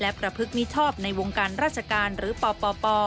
และประพฤติมิชชอบในวงการราชการหรือปป